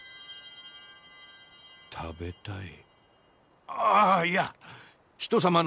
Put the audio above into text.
食べたい。